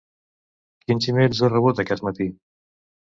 Quins emails he rebut aquest matí?